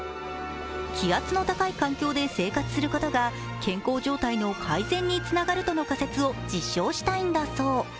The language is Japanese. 気圧の高い環境で生活することが健康状態の改善につながるとの仮説を実証したいんだそう。